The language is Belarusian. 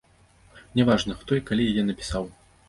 Не важна, хто і калі яе напісаў.